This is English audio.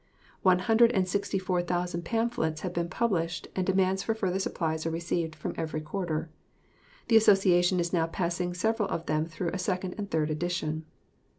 One hundred and sixty six thousand pamphlets have been published, and demands for further supplies are received from every quarter. The Association is now passing several of them through a second and third edition.